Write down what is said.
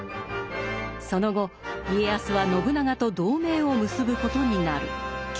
その後家康は信長と同盟を結ぶことになる。